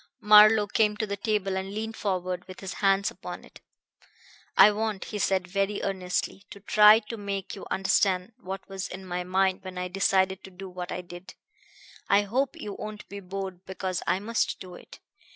Marlowe came to the table and leaned forward with his hands upon it. "I want," he said very earnestly, "to try to make you understand what was in my mind when I decided to do what I did. I hope you won't be bored, because I must do it.